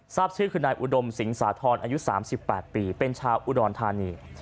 ทราบชื่อคือนายอุดมสิงห์สาธรอายุสามสิบแปดปีเป็นชาวอุดรทานี